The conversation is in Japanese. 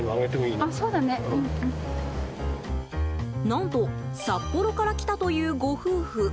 何と札幌から来たというご夫婦。